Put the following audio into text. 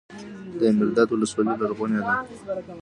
دایمیرداد ولسوالۍ غرنۍ ده؟